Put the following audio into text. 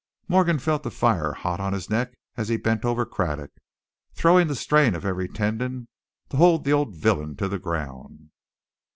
Morgan felt the fire hot on his neck as he bent over Craddock, throwing the strain of every tendon to hold the old villain to the ground.